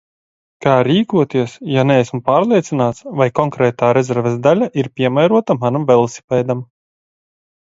Kā rīkoties, ja neesmu pārliecināts, vai konkrētā rezerves daļa ir piemērota manam velosipēdam?